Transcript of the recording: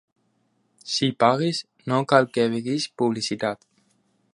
Si pagues, no cal que vegis publicitat